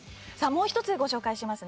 もう１つご紹介します。